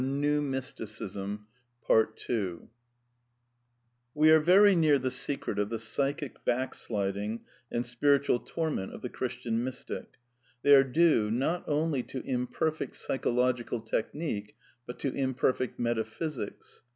n We are very near the secret of the psychic backsliding and spiritual torment of the Christian mystic. They are due, not only to imperfect psychological technique, but to imperfect metaphysics.